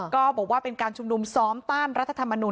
ก็บอกว่าเป็นการชุมนุมซ้อมต้านรัฐธรรมนุน